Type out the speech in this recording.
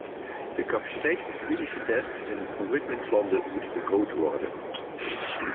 De capaciteit voor klinische tests in ontwikkelingslanden moet vergroot worden.